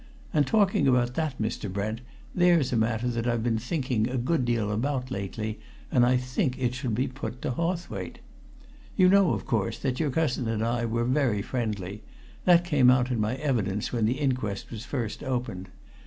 And talking about that, Mr. Brent, there's a matter that I've been thinking a good deal about lately, and I think it should be put to Hawthwaite. You know, of course, that your cousin and I were very friendly that came out in my evidence when the inquest was first opened.